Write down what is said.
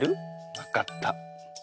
分かった。